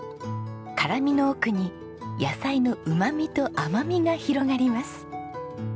辛みの奥に野菜のうまみと甘みが広がります。